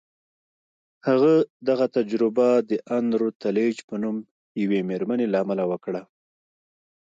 هغه دغه تجربه د ان روتليج په نوم يوې مېرمنې له امله وکړه.